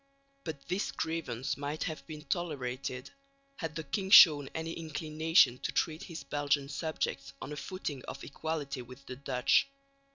But this grievance might have been tolerated had the king shown any inclination to treat his Belgian subjects on a footing of equality with the Dutch.